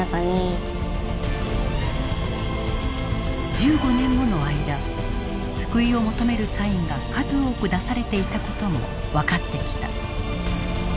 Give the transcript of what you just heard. １５年もの間救いを求めるサインが数多く出されていた事も分かってきた。